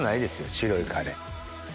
白いカレー。